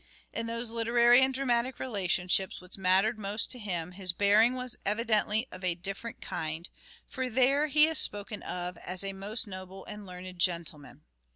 In those literary and dramatic relationships which mattered most to him his bearing was evidently of a different kind, for there he is spoken of as "a most noble and learned gentleman."